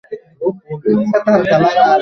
পেরুমল, একটা fresh ready করো।